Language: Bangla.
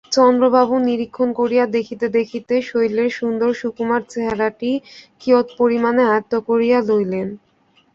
চন্দ্রবাবু নিরীক্ষণ করিয়া দেখিতে দেখিতে শৈলের সুন্দর সুকুমার চেহারাটি কিয়ৎপরিমাণে আয়ত্ত করিয়া লইলেন।